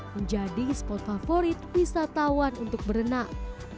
menjadi spot favorit wisatawan untuk berenang